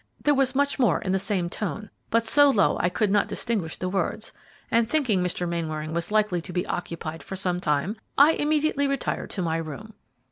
There was much more in the same tone, but so low I could not distinguish the words, and, thinking Mr. Mainwaring was likely to be occupied for some time, I immediately retired to my room."